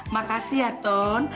makasih ya ton